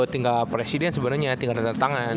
tinggal presiden sebenernya tinggal tetang tetangan